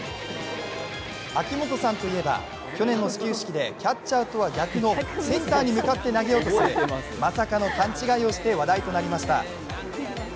秋元さんといえば、去年の始球式でキャッチャーとは逆のセンターに向かって投げようとするまさかの勘違い手をして話題となりました。